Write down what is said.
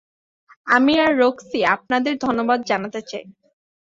আমি আর রক্সি আপনাদেরকে ধন্যবাদ জানাতে চাই।